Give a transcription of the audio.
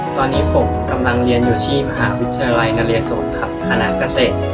ตอนนี้ผมกำลังเรียนที่มหาวิชาลัยนรสคลานาส์เกษตร